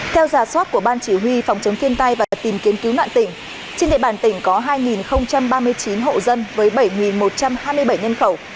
theo giả soát của ban chỉ huy phòng chống thiên tai và tìm kiếm cứu nạn tỉnh trên địa bàn tỉnh có hai ba mươi chín hộ dân với bảy một trăm hai mươi bảy nhân khẩu